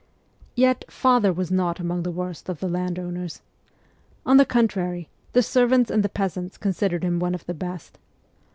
' Yet father*was not among the worst of landowners On the contrary, the servants and the peasants con sidered him one of the best.